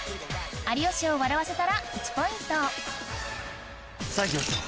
有吉を笑わせたら１ポイントさぁ行きましょう。